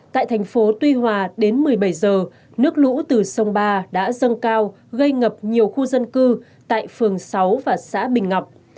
tại thành phố tuy hòa đến một mươi bảy giờ nước lũ từ sông ba đã dâng cao gây ngập nhiều khu dân cư tại phường sáu và xã bình ngọc